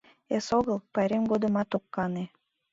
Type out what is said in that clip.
Эсогыл пайрем годымат от кане.